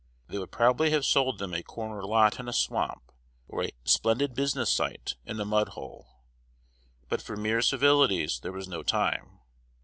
They would probably have sold them a "corner lot" in a swamp, or a "splendid business site" in a mud hole; but for mere civilities there was no time.